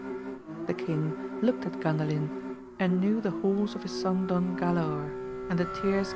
The king looked at Gandalin, and knW the horse of his son Don Galaor, and the tears ca!